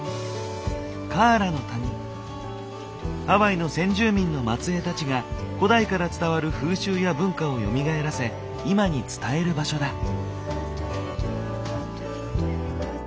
ハワイの先住民の末えいたちが古代から伝わる風習や文化をよみがえらせ今に伝える場所だ。